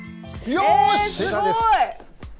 えすごい！